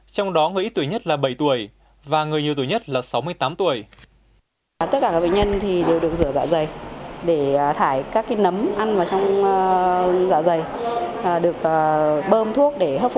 trong đó người ít tuổi nhất là bảy tuổi và người nhiều tuổi nhất là sáu mươi tám tuổi